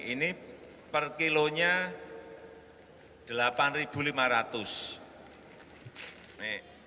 ini per kilonya rp delapan lima ratus